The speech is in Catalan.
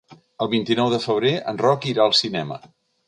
El vint-i-nou de febrer en Roc irà al cinema.